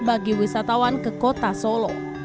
bagi wisatawan ke kota solo